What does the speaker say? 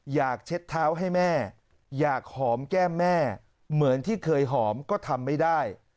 เช็ดเท้าให้แม่อยากหอมแก้มแม่เหมือนที่เคยหอมก็ทำไม่ได้